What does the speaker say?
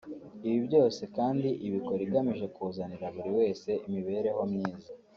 Ibi byose kandi ibikora igamije kuzanira buri wese imibereho myiza